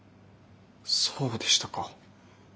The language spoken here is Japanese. そうでしたか。